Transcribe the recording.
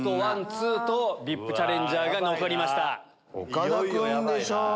岡田君でしょ。